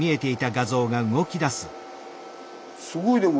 すごいでも。